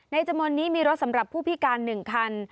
จำนวนนี้มีรถสำหรับผู้พิการ๑คัน